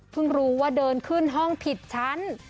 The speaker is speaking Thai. รู้ว่าเดินขึ้นห้องผิดชั้น